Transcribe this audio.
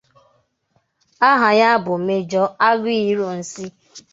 Aha ya bụ Major Aguiyi Ironsi (Ìgbo).